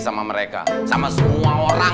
sama mereka sama semua orang